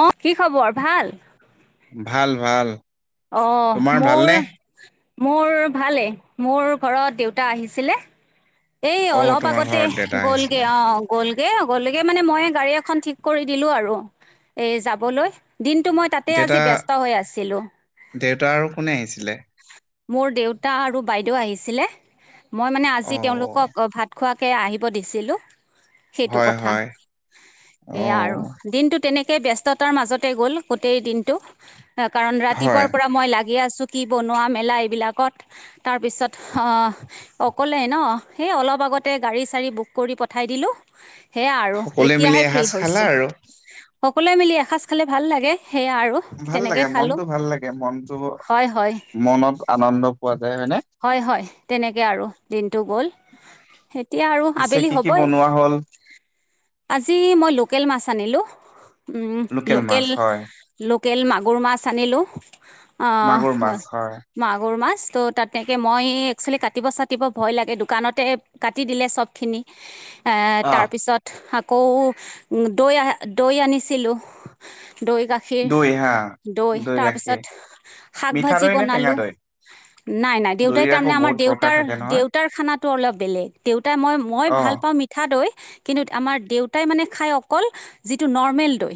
অ, কি খবৰ ভাল। ভাল, ভাল। অ, তোমাৰ মোৰ ভালনে? মোৰ ভালে মোৰ ঘৰত দেউতা আহিছিলে। এই অ অলপ তোমাৰ আগতে ঘৰত দেউতা গ'লগে আহিছিলে। অ। গ'লগে গ'লগে মানে মইয়ে গাড়ী এখন ঠিক কৰি দিলো আৰু। এই যাবলৈ দিনটো মই তাতেই দেউতা আজি ব্যস্ত হৈ আছিলোঁ। দেউতা আৰু কোনে আহিছিলে? মোৰ দেউতা আৰু বাইদেউ আহিছিলে মই মানে অ আজি অ তেওঁলোক অঁ ভাত খোৱাকে আহিব দিছিলোঁ। সেইটো হয় কথা হয় অ সেয়া আৰু দিনটো তেনেকে ব্যস্ততাৰ মাজতে গ'ল গোটেই দিনটো কাৰণ হয় ৰাতিপুৱাঁৰ পৰা মই লাগি আছোঁ। কি বনোৱা মেলা এইবিলাকত তাৰপিছত অহ অকলে ন। সেই অলপ আগতে গাড়ী- চাড়ী বুক কৰি পঠাই দিলোঁ। সেয়া আৰু সকলোৱে মিলি এতিয়াহে ফ্ৰী এসাঁজ খালা হৈছোঁ আৰু সকলোৱে মিলি এসাজ খালে ভাল লাগে সেয়া আৰু। ভাল তেনেকৈ লাগে খালোঁ মনটো ভাল লাগে মনটো হয় হয় মনত আনন্দ পোৱা যায় হয়নে। হয়, হয় তেনেকে আৰু দিনটো গ'ল। এতিয়া আৰু পিছে আবেলি কি কি হ'বই, বনোৱা হ'ল? আজি মই লোকেল মাছ আনিলোঁ। উম, লোকেল মাছ হয়, লোকেল মাগুৰ মাছ আনিলোঁ। অ মাগুৰ হ মাছ হয়, মাগুৰ মাছ ত' তাতকে মই একচেলি কাটিব- চাটিব ভয় লাগে দোকানত তে কাটি দিলে ছবখিনি এ অ তাৰ পিছত আকৌ দৈ আ, দৈ আনিছিলোঁ দৈ গা খী, দৈ হা দৈ তাৰপিছত শাক মিঠা ভাজি দৈ নে টেঙা বনালোঁ। দৈ? নাই নাই দেউতাই দৈৰ তাৰ আকৌ মানে আমাৰ বহুত প্ৰকাৰ দেউতাৰ, থাকে নহয়। দেউতাৰ খানাটো অলপ বেলেগ দেউতাই মই মই অ ভাল পাওঁ [inaudible] মিঠা দৈ, কিন্তু আমাৰ দেউতাই মানে খাই অকল যিটো নৰ্মেল দৈ।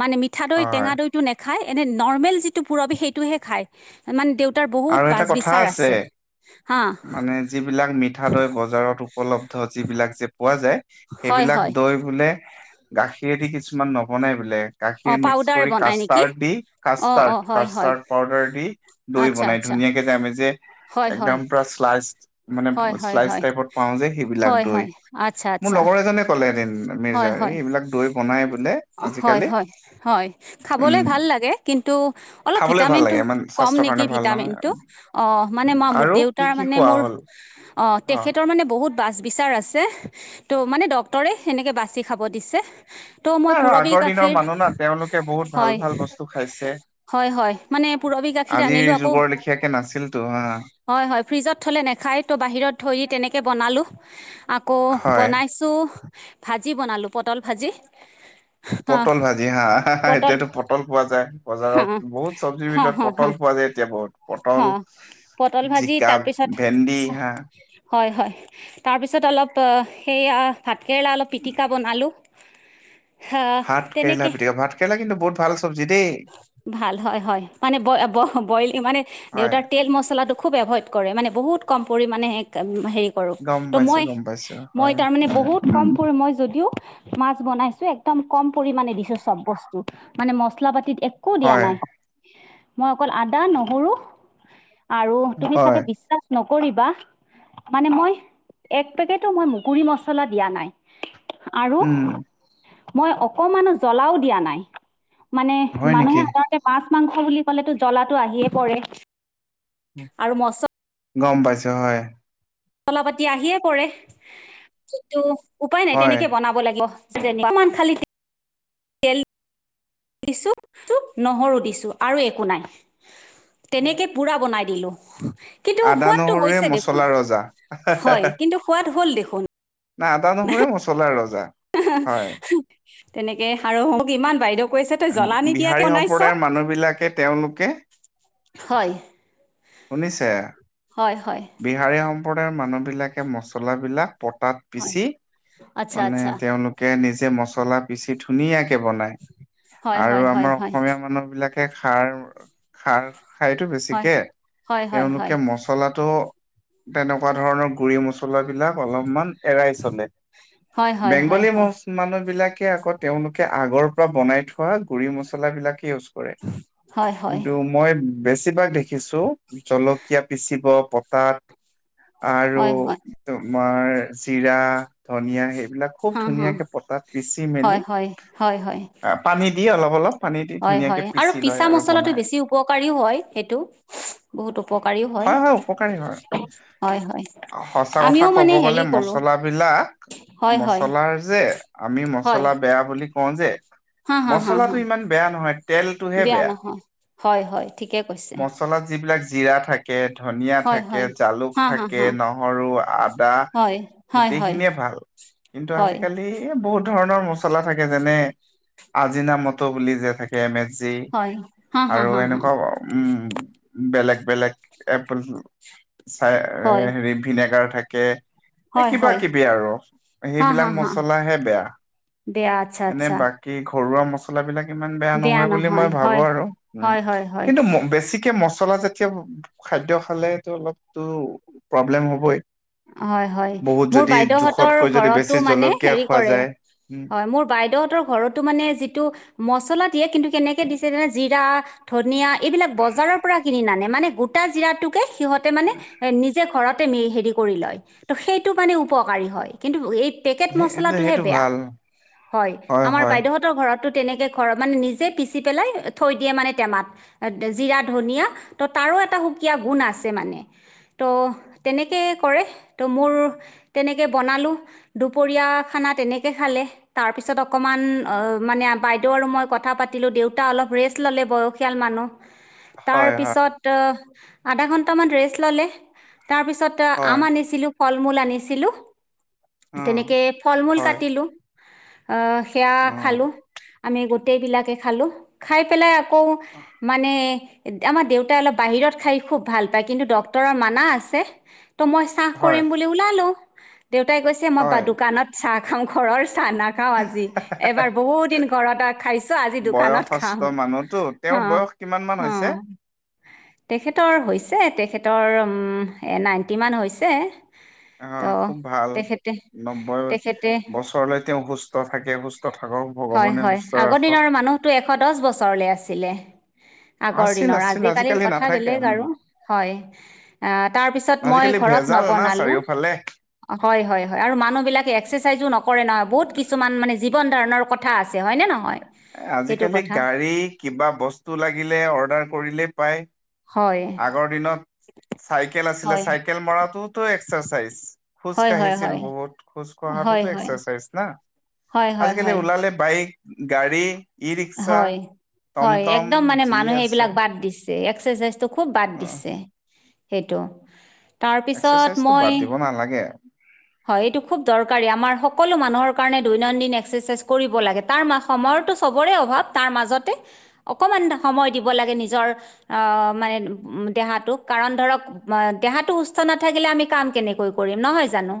মানে মিঠা দৈ, হয় টেঙা দৈটো নেখায় এনেই নৰ্মেল যিটো পুৰবি সেইটোহে খায়। ইমান দেউতাৰ আৰু বহুত এটা বাছ - কথা বিচাৰ আছে হা। মানে যিবিলাক মিঠা দৈ বজাৰত উপলব্ধ যিবিলাক যে পোৱা যায় হয় সেইবিলাক হয় দৈ বোলে গাখিৰেদি কিছুমান ন বনাই বোলে অঁ গাখীৰ মিক্স পাউদাৰ কৰি বনাই নেকি কাষ্টাৰ্ড দি অঁ কাষ্টাৰ্ড, অঁ হয় হয় কাষ্টাৰ্ড পাউদাৰ দি দৈ আচ্ছা বনাই আচ্ছা ধুনীয়াঁকে যে আমি যে হয় হয় একদম পুৰা শ্লাইচ মানে হয় হয় শ্লাইচ হয় টাইপত পাওঁ যে সেইবিলাক হয় দৈ হয় আচ্ছা মোৰ আচ্ছা লগৰ এজনে ক'লে এদিন হয় মিৰ্জা হয় এই এইবিলাক দৈ বনাই বোলে হ'য়, আজিকালি হ'য়, হ'য় উম খাবলে ভাল লাগে কিন্তু অলপ খাবলৈ ভাল ভিটামিনটো লাগে ইমান কম স্বাস্থ্যৰ নেকি, কাৰণে ভাল নহয় ভিটামিনটো অ মানে মই আৰু কি দেউতাৰ কি মানে খোৱা মোৰ হ'ল অ, তেখেতৰ মানে বহুত বাচ বিচাৰ আছে ত' মানে ডক্তৰেট হেনেকে বাচি খাব দিছে। ত' মই আৰু পুৰৱী আগৰ দিনৰ গাখীৰ মানুহ না তেওঁলোকে বহুত ভাল হ'য়। ভাল বস্তু খাইছে। হয়, হয় মানে পুৰবি গাখীৰ আজিৰ আনিলোঁ আকৌ যুগৰ লেখীয়াকে নাছিলতো হা। হয় হয় ফ্ৰিজত থ'লে নাখায় তো বাহিৰত থৈ তেনেকৈ বনালোঁ। আকৌ হয় বনাইছোঁ ভাজি বনালোঁ পটল ভাজি। হা পটল ভাজি হা হা এতিয়াতো পটল পোৱা যায় হা বজাৰত বহুত চব্জিৰ হা ভিতৰত হা হা পটল পোৱা যে। এতিয়া বহুত পটল অ', পটল ভাজি জিকা তাৰপিছত ভেন্দী হা। হয় হয় তাৰপিছত অলপ অ সেইয়া ভাতকেৰেলা অলপ পিটিকা। বনালো। ভাত কেৰেলা পিতিকা ভাত কেৰেলা কিন্তু বহুত ভাল চব্জি দে। ভাল হয় হয় মানে ব বইল মানে হয় দেউতাৰ তেল মচলাটো। খুব এভইড কৰে, মানে বহুত কম পৰিমাণে এক, হেৰি কৰো গম ত, পাইছো মই গম পাইছো মই হয় তাৰ মানে, উম বহুত কম পৰি, মই যদিও মাছ বনাইছো, একদম কম পৰিমণে দিছো চ'ব বস্তু, মানে মছলা পাতি এক একো দিয়া হয় নাই, মই অকল আদা, নহৰু আৰু তুমি হয় চাগে বিশ্বাস নকৰিবা, মানে মই এক পেকেটো মই গুৰি মচলা দিয়া নাই। আৰু উম মই অকমানো জ্বলাও দিয়া নাই, মানে হয় নেকি মানুহে সাধাৰতে মাছ-মাংস বুলি ক'লেটো জ্বলাটো আহিয়ে পৰে আৰু মচলা গম, পাইছো হয়। চলা, পাতি আহিয়ে পৰে, কিন্তু উপায় নাই হয় তেনেকৈ বনাব লাগিব। যেনেবা, অকমান খালি দিছোঁ নহৰু দিছোঁ, আৰু একো নাই, তেনেকৈ পুৰা বনাই দিলোঁ। কিন্তু আদা সোৱাদটো নহৰুৱে হৈছে মছলা দেখোন, ৰজা হয় কিন্তু সোৱাদ হ'ল দেখোন। নাই আদা, নহৰুৰে মচলাৰ ৰজা। হয়। তেনেকে আৰু মোক ইমান বাইদেউ কৈছে তই জ্বলা নিদিয়াকে বিহাৰী বনাইছ, সম্প্ৰদায়ৰ মানুহ বিলাকে তেওঁলোকে হয়। শুনিছে, হয় হয় বিহাৰী সম্প্ৰদায়ৰ মানুহ বিলাকে মচলাবিলাক পতাত হয় পিচি, আচ্ছা মানে আচ্ছা তেওঁলোকে নিজে মচলা পিচি ধুনীয়াকে বনায়। হয় আৰু হয় হয় আমাৰ হয় অসমীয়া মানুহ বিলাকে খাৰ, খাৰ, খাইতো হয় বেছিকে হয় হয় তেওঁলোকে হয় মচলাটো, তেনেকুৱা ধৰণৰ গুৰি মছলা মচলা বিলাক অলপমান এৰাই চলে, হয় হয় বেংগলী ম হয় মানুহ বিলাকে আকৌ তেওঁলোকে আগৰ পৰা বনাই থোৱা গুৰি মচলা বিলাকে ইউজ কৰে, হয় হয় হয় কিন্তু মই বেছিভাগ দেখিছো। জলকীয়া পিচিব পটাত আৰু হয় হয় তোমাৰ জিৰা ধনিয়া সেইবিলাক খুব, হা হা ধুনীয়াকে পতাত পিচি মেলি হয় হয় হয় হয় আহ, পানী দি, অলপ অলপ পানী দি হয় ধুনীয়াকে হয় পিচি লয় পিছা আৰু মছলাটো বনাই। বেছি উপকাৰীও হয়, সেইটো। বহুত উপকাৰীও হয়, হয়, হয়। সঁচা কথা আমিও ক'ব মানে গলে, হেৰি কৰোঁ মচলাবিলাক হয় হয় মচলাৰ যে আমি হয় মচলা বেয়া বুলি কওঁ যে, হা হা হা মচলাটো হা ইমান বেয়া নহয়। বেয়া নহয়, হয় হয় ঠিকে। কৈছে মচলাত যিবিলাক জিৰা থাক থাকে, ধনিয়া হয় থাকে, হয় জালুক হা হা থাকে, হা নহৰু, আদা। হয় হয় হয় গোটেইখিনিয়ে ভাল, কিন্তু হয় আজিকালি এই বহুত ধৰণৰ মচলা থাকে, যেনে আজিনা মটৰ বুলি যে থাকে। এ, মে, জি হয় হা হা আৰু হা হা এনেকুৱা উম, বেলেগ বেলেগ [inaudible] চাই হয় হেৰি ভিনেগাৰ থাকে। এই হয় হয় কিবা-কিবি আৰু হা সেইবিলাক হা হা মচলাহে বেয়া, বেয়া আচ্ছা এনে আচ্ছা বাকী কি ঘৰুৱা মছলাবিলাক ইমান বেয়া নহয় বুলি মই ভাবো আৰু উম, হয় হয় হয় [inaudible] বেছিকে মচলা জাতীয় খাদ্য খালেতো, অলপতো প্ৰব্লেম হ'বই। হয়, হয়, বহুত মোৰ যদি বাইদেউহঁতৰ জোখতকৈ যদি বেছি ঘৰতো মানে, জলকীয়া হেৰি খোৱা কৰে। যায় উম হয়, মোৰ বাইদেউহঁতৰ ঘৰ মানে যিটো মছলা দিয়ে কিন্তু কেনেকে দিছে জানা জিৰা, ধনীয়া এইবিলাক বজাৰৰ পৰা কিনি নানে মানে গোটা জিৰাটোকে সিহঁতে মানে এ নিজে ঘৰতে হেৰি কৰি লয়। ত' সেইটো মানে উপকাৰী হয়। কিন্তু এই পেকেত সেই এনে মছলাতোহে সেইটো বেয়া, ভাল। হয়। আমাৰ বাইদেউহত তহঁতৰ ঘৰতো তেনেকে ঘৰ- মানে নিজে পিচি পেলাই থৈ দিয়ে মানে টেমাত। জিৰা, ধনিয়া ত' তাৰো এটা সুকীয়া গুণ আছে মানে। ত' তেনেকে কৰে, ত' মোৰ তেনেকে বনালো। দুপৰীয়া খানা তেনেকে খালে। তাৰপিছত অকণমান মানে বাইদেউ আৰু মই কথা পাতিলোঁ। দেউতা অলপ ৰেষ্ট ল'লে, বয়সীয়াল মানুহ। তাৰ হয়, হয়, পিছত আধা ঘন্টামান ৰেষ্ট ল'লে, তাৰপিছত আম হয়, আনিছিলোঁ, ফল- মূল আনিছিলোঁ। উম, তেনেকে ফল- মূল হয়, কাটিলো। আহ, সেয়া উম, খালোঁ, আমি গোটেই বিলাকে খালোঁ, খাই পেলাই আকৌ মানে আমাৰ দেউতাই অলপ বাহিৰত খাই খুব ভাল পায়, কিন্তু ডক্টৰৰ মানা আছে। ত' মই চাহ হয়, কৰিম বুলি ওলাললোঁ। দেউতাই কৈছে মই হয়। দোকানত চাহ খাম ঘৰৰ চাহ নাক নখাও আজি। এবাৰ বহুত দিন ঘৰত খাইছোঁ আজি দোকানত খাম। ত' হা তেওঁৰ বয়স কিমান মান হা হৈছে? তেখেতৰ হৈছে, তেখেতৰ উম নাইণ্টি মান হৈছে। ত' অ' খুব ভাল তেখেতে নব্বৈ তেখেতে বছৰলৈ তেওঁ সুস্থ থাকে, সুস্থ সুস্থ থাকক, ভগৱানে সুস্থ ৰাখক। টো এশ দহ বছৰলৈ আছিলে। আগৰ আছিল, দিনৰ আছিল, আজিকালিৰ আজিকালি কথা নাথাকে বেলেগ উম। আৰু হয়। আ, তাৰপিছত আজিকালি মই ঘৰত ভেজাল না নবনালোঁ। চাৰিওফালে। হয়- হয়- হয় আৰু মানুহ বিলাকে এক্সাৰচাইজো নকৰে নহয়, বহুত কিছুমান মানে জীৱন ধাৰণৰ কথা কথা আছে হয়নে নহয়? এ সেইটো আজিকালি কথা গাড়ী কিবা বস্তু লাগিলে অৰ্ডাৰ কৰিলেই পায়। হয় আগৰ দিনত, চাইকেল আছিলে চাই হয় চাইকেল মৰাটোতো এক্সাৰচাইজ, খোজ হয় হয় কঢ়িছিল হয় বহুত। খোজ কঢ়াটোতো হয় হয় এক্সাৰচাইজ না। হয় হয় আজিকালি হয় ওলালে বাইক গাড়ী ৰিকছা। হয় হয়, একদম মানে মানুহে এইবিলাক বাদ দিছে, এক্সাৰচাইজটো খুব বাদ অ দিছে। সেইটো তাৰপিছত এক্সাৰচাইজটো মই বাদ দিব নালাগে। হয়, এইটো খুব দৰকাৰী আমাৰ সকলো মানুহৰ কাৰণে দৈনন্দিন এক্সাৰচাইজ কৰিব লাগে। তাৰ ম- সময়তো চবৰে অভাৱ, তাৰ মাজতে অকমান সময় দিব লাগে নিজৰ আহ, মানে উম, দেহাতোক কাৰণ ধৰক দেহাটো সুস্থ নাথাকিলে আমি কাম কেনেকৈ কৰিম নহয় জানো।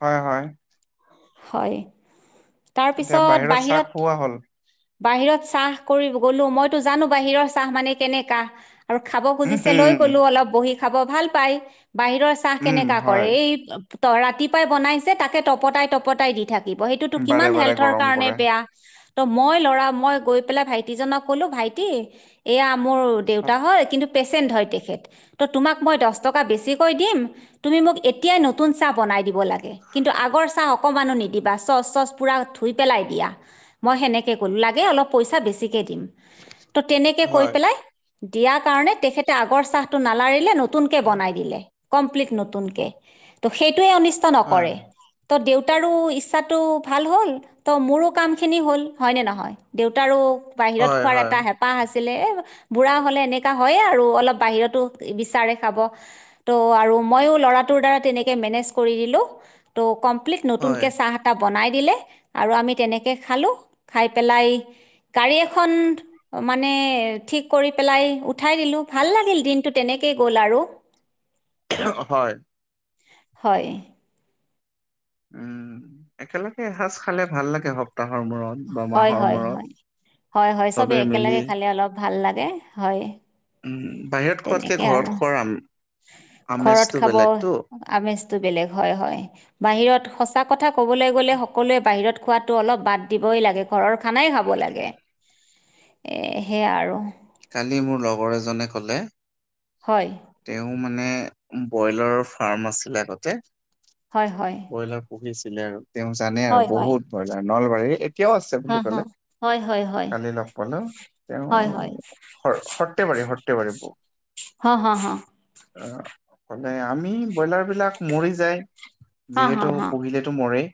হয়, হয়। হয়, এতিয়া তাৰপিছত চাহ বাহিৰত খোৱা হ'ল বাহিৰত চাহ কৰিব গ'লো। মইতো জানো বাহিৰৰ চাহ মানে কেনেকা। আৰু খাব উম খুজিছে লৈ হম গ'লো। অলপ বহি খাব ভাল পাই, বাহিৰৰ চাহ উম কেনেকা হয় কৰে, এই ৰাতিপুৱাই বনাইছে তাকে তপতাই- তপতাই দি থাকে। লাগিব সেইটোতো বাৰে কিমান বাৰে হেল্থৰ গৰম কাৰণে কৰে বেয়া। ত' মই ল'ৰা, মই গৈ পেলাই ভাইটিজনক ক'লো, ভাইটি এয়া মোৰ চাপ দেউতা হয় কিন্তু পেচেণ্ট হয় তেখেত, তো তোমাক মই দশ টকা বেছিকৈ দিম তুমি মোক এতিয়া নতুন চাহ বনাই দিব লাগে কিন্তু আগৰ চাহ অকমানো নিদিবা চচ-চচ পুৰা ধুই পেলাই দিয়া। মই সেনেকে ক'লো লাগে অলপ পইচা বেছিকে দিম। ত' তেনেকে কৈ হয় পেলাই দিয়া কাৰণে তেখেতে আগৰ চাহটো নালাৰিলে নতু নতুনকে বনাই দিলে কমপ্লিট নতুনকে। ত' সেইটোৱে অনিষ্ট নকৰে। হয় ত' দেউতাৰো ইচ্ছাটো ভাল হ'ল, ত' মোৰো কামখিনি হ'ল হয়নে নহয়? দেউতাৰো বাহিৰত হয় খোৱাৰ হয় এটা হে পাহ আছিলে এ বুঢ়া হ'লে এনেকা হয়ে আৰু অলপ বাহিৰতো বিচাৰে খাব। ত' আৰু মইয়ো ল'ৰাটোৰ দ্বাৰা তেনেকে মেনেজ কৰি দিলো ত' কমপ্লিট হয় নতুনকে চাহ টা বনাই দিলে আৰু আমি তেনেকে খালো। খাই পেলাই গাড়ী এখন মানে ঠিক কৰি পেলাই উঠাই দিলো ভাল লাগিল। দিনটো তেনেকেই গ'ল আৰু। হয়। হয়। উম, একেলগে এসজ খালে ভাল লাগে সপ্তাহৰ মূৰত। বা হয় মাহৰ হয় মূৰত হয় হয় হয় চবে একেলগে খালে অলপ ভাল লাগে হয়। উম। বাহিৰত খোৱাতকে তেনেকে ঘৰত আৰু খোৱাৰ আম ঘৰত আমেজটো খাব। বেলেগতো। আমেজটো বেলেগ হয় হয়। বাহিৰত সঁচা কথা ক'বলে গ'লে সকলোৱে বাহিৰত খোৱাটো অলপ বাদ দিবই লাগে ঘৰৰ খানাই খাব লাগে। এ সেয়া আৰু। কালি মোৰ লগৰ এজনে ক'লে হয়। তেওঁ মানে ব্ৰইলাৰৰ ফাৰ্ম আছিল আগতে। হয় হয়। ব্ৰইলাৰ পোহিছিলে আৰু তেওঁ জানে আৰু হয় হয় বহুত ব্ৰইলাৰ নলবাৰীৰ তেওঁ আছে হা বুলি হা ক'লে হয় হয় হয় কালি লগ পালো তেওঁ হয় হয় সৰ্থেবাৰী সৰ্থেবাৰী। হা হা হা অ ক'লে আমি ব্ৰইলাৰবিলাক মৰি যায় হা হা যিহেতু পোহিলেতো মৰেই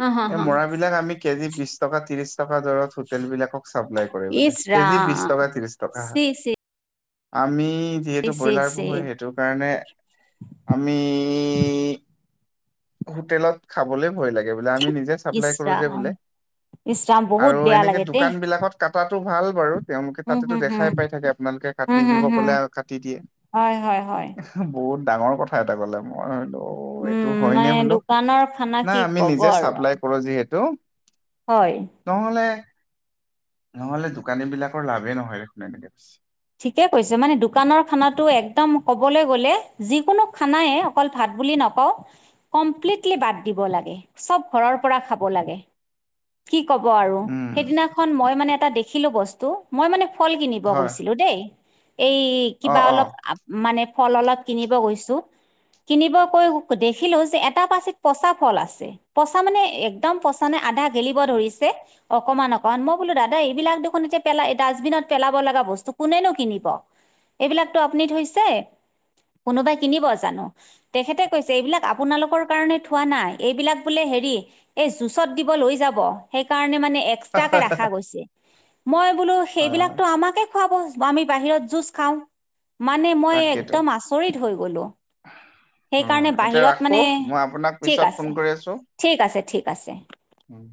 হা হা এই হা মৰাবিলাক আমি কেজি বিশ টকা, ত্ৰিশ টকা দৰত হোটেলবিলাকক চাপ্লাই কৰে বোলে। ইচ কেজি বিশ ৰাম টকা, ত্ৰিশ টকা। চি চি আমি যিহেতু চি ব্ৰইলাৰ চি পোহো সেইটো কাৰণে আমি হোটেলত খাবলে ভয় লাগে বোলে আমি নিজে চাপ্লাই কৰো যে বোলে। ইছ ৰাম বহুত আৰু বেয়া এনেকে লাগে দেই দোকানবিলাকত কাটাটো ভাল বাৰু তেওঁলোকে উম তাতেটো হুম হুম দেখাই পাই থাকে আপোনালোকে উম কাটি হুম দিব হুম ক'লে আৰু কাটি দিয়ে। হয় হয় হয়। বহুত ডাঙৰ কথা এটা ক'লে মই হয়টো উম, মানে দোকানৰ খানা কি ক'ব আৰু। তেওঁ ক'লে যিহেতু হয়। নহ'লে নহ'লে দোকানীবিলাকৰ লাভে নহয় দেখোন এনেকে কৈছে। ঠিকে কৈছে মানে দোকানৰ খানাটো একদম কবলে গ'লে যিকোনো খানায়ে অকল ভাত বুলি নকওঁ কমপ্লিটলি বাদ দিব লাগে চব ঘৰৰ পৰা খাব লাগে। কি কব আৰু? উম, সেইদিনাখন মই মানে এটা দেখিলো বস্তু, মই মানে ফল কিনিব হয় গৈছ- ছো দেই এই অ', কিবা অ', অলপ মানে ফল অলপ কিনিব গৈছো। কিনিব কৈ দেখিলোঁ যে এটা পাচিত পচা ফল আছে- পচা মানে একদম পচা নে আধা গেলিব ধৰিছে। অকমান অকমান, মই বোলো দাদা এইবিলাক দেখোন এতিয়া পেলাই ডাষ্টবিনত পেলাব লগা বস্তু- কোনেনো কিনিব? এইবিলাকতো আপুনি থৈছে, কোনোবাই কিনিব জানো? তেখেতে কৈছে এইবিলাক আপোনালোকৰ কাৰণে থোৱা নাই। এইবিলাক বোলে হেৰি- এই জুচত দিব লৈ যাব। সেইকাৰণে মানে এক- এষ্টাকে ৰাখা গৈছে, মই বোলো হয় হয় সেইবিলাকতো আমাকে- খোৱাব, আমি বাহিৰত জুচ খাওঁ। মানে মই তাকেইতো। একদম আচৰিত হৈ গ'লো। অ সেইকাৰণে এতিয়া বাহিৰত ৰাখো মানে, মই আপোনাক ঠিক পিছত আছে ফোন কৰি আছো। ঠিক আছে ঠিক আছে। উম'।